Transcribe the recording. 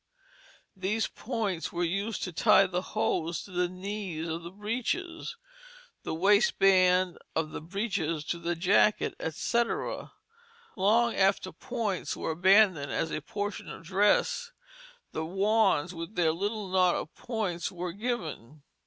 These points were used to tie the hose to the knees of the breeches; the waistband of the breeches to the jacket, etc. Long after points were abandoned as a portion of dress the wands with their little knot of points were given.